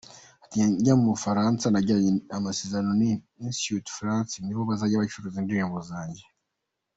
Ati “Njya mu Bufaransa nagiranye amasezerano na Institut Français, nibo bazajya bacuruza indirimbo zanjye.